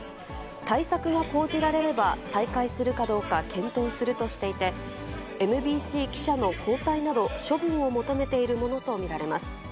対策が講じられれば、再開するかどうか検討するとしていて、ＭＢＣ記者の交代など、処分を求めているものと見られます。